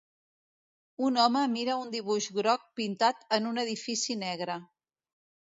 Un home mira un dibuix groc pintat en un edifici negre.